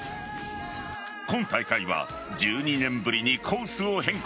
今大会は１２年ぶりにコースを変更。